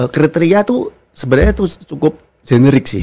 kriteria itu sebenarnya cukup generik sih